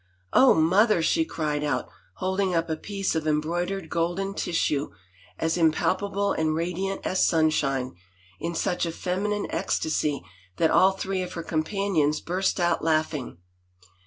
" Oh, mother! '* she cried out, holding up a piece of em broidered golden tissue, as impalpable and radiant as sun shine, in such a feminine ecstasy that all three of her companions burst out laughing.